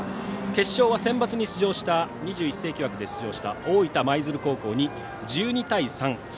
決勝はセンバツに２１世紀枠で出場した大分舞鶴高校に１２対３。